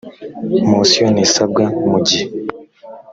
mosiyo ntisabwa mu gihe